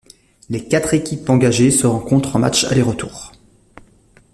Les quatre équipes engagées se rencontrent en matchs aller-retour.